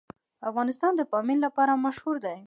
افغانستان د پامیر لپاره مشهور دی.